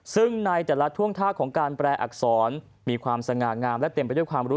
ซึ่งในแต่ละท่วงท่าของการแปลอักษรมีความสง่างามและเต็มไปด้วยความรู้